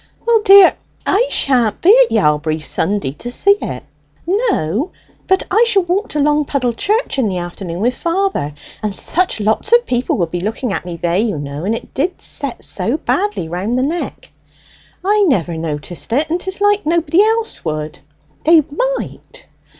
"Well, dear, I sha'n't be at Yalbury Sunday to see it." "No, but I shall walk to Longpuddle church in the afternoon with father, and such lots of people will be looking at me there, you know; and it did set so badly round the neck." "I never noticed it, and 'tis like nobody else would." "They might."